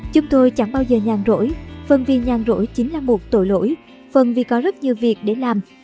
chúng tôi chẳng bao giờ nhàn rỗi phần vì nhàn rỗi chính là một tội lỗi phần vì có rất nhiều việc để làm